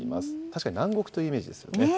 確かに南国というイメージですよね。